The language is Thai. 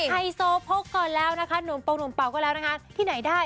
ไฮโซพกก่อนแล้วนะคะหนุ่มปงหนุ่มเป่าก็แล้วนะคะที่ไหนได้